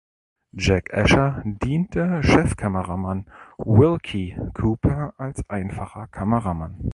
Jack Asher diente Chefkameramann Wilkie Cooper als einfacher Kameramann.